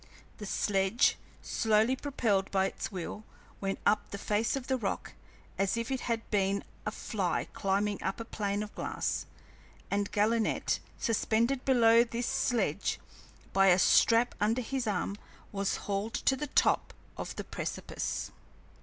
The sledge, slowly propelled by its wheel, went up the face of the rock as if it had been a fly climbing up a pane of glass, and Gallinet, suspended below this sledge by a strap under his arms, was hauled to the top of the precipice.